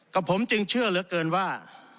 กับผมจึงเชื่อเหลือเกินว่า